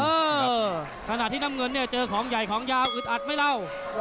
เออขณะที่น้ำเงินเนี่ยเจอของใหญ่ของยาวอึดอัดไหมเล่า